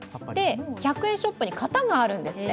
１００円ショップに型があるんですって。